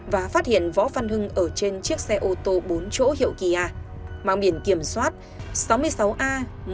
và phát hiện võ văn hưng ở trên chiếc xe ô tô bốn chỗ hiệu kỳ a mang biển kiểm soát sáu mươi sáu a một mươi hai nghìn hai trăm một mươi chín